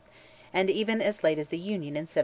and even as late as the Union in 1707.